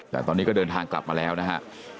แต่ตอนนี้ก็เดินทางกลับมาแล้วนะฮะ